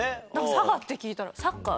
佐賀って聞いたらサッカー。